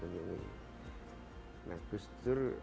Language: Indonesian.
nah gus dur